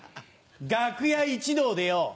楽屋一同でよ